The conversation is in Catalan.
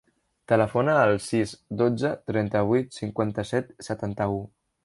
Telefona al sis, dotze, trenta-vuit, cinquanta-set, setanta-u.